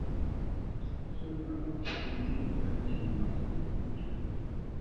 Su hermano Quentin Bell llamó a su hijo Julian.